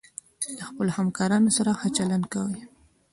د خپلو همکارانو سره ښه چلند کوئ.